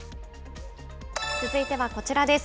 続いてはこちらです。